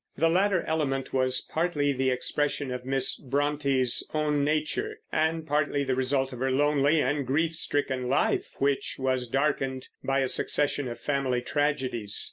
The latter element was partly the expression of Miss Brontë's own nature, and partly the result of her lonely and grief stricken life, which was darkened by a succession of family tragedies.